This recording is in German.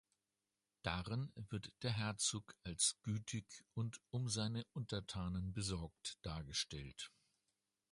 Darin wird der Herzog als gütig und um seine Untertanen besorgt dargestellt.